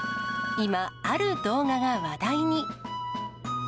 今、ある動画が話題に。